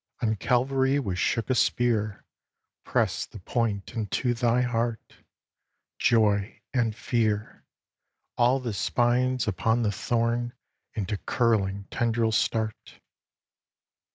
On Calvary was shook a spear; Press the point into thy heart Joy and fear! All the spines upon the thorn into curling tendrils start.